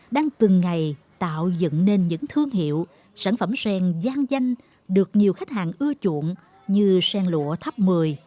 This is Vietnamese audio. đang từng ngày tạo dựng nên những thương hiệu sản phẩm sen giang danh được nhiều khách hàng ưa chuộng như sen lụa tháp mười